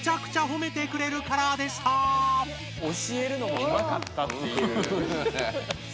教えるのもうまかったっていう。